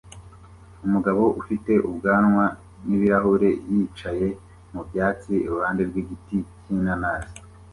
Umugabo ufite ubwanwa n'ibirahure yicaye mu byatsi iruhande rw'igiti cy'inanasi